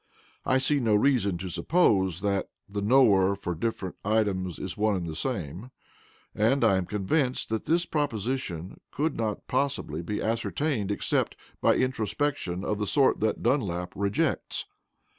I see no reason to suppose that "the knower for different items is one and the same," and I am convinced that this proposition could not possibly be ascertained except by introspection of the sort that Dunlap rejects.